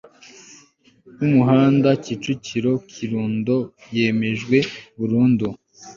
w umuhanda kicukiro kirundo yemejwe burundu